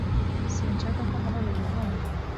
Sinshaka ko mahoro yivanga.